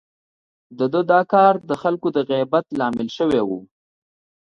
د ده دا کار د خلکو د غيبت لامل شوی و.